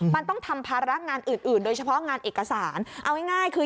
มันต้องทำภาระงานอื่นโดยเฉพาะงานเอกสารเอาง่ายคือ